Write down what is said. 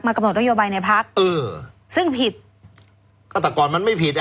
กำหนดนโยบายในพักเออซึ่งผิดก็แต่ก่อนมันไม่ผิดอ่ะ